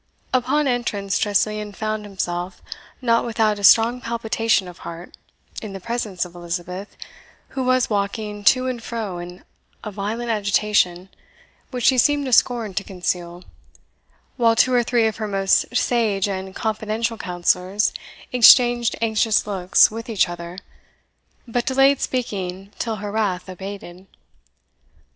Upon entrance, Tressilian found himself, not without a strong palpitation of heart, in the presence of Elizabeth, who was walking to and fro in a violent agitation, which she seemed to scorn to conceal, while two or three of her most sage and confidential counsellors exchanged anxious looks with each other, but delayed speaking till her wrath abated.